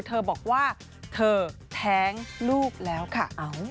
เธอบอกว่าเธอแท้งลูกแล้วค่ะ